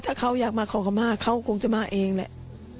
ถ้าเขาอยากมาขอคำมาเขาคงจะมาเองแหละ